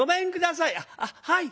「あっはい。